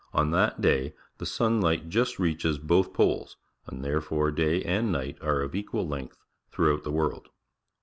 On that day the sunhght just reaches both poles, and there fore day and night are of equal length t^ ^r throughout the ^Jj\L \Yliole world.